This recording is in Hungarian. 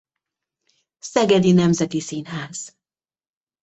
Szegedi Nemzeti Színház.